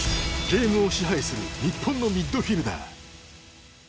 ゲームを支配する日本のミッドフィルダー。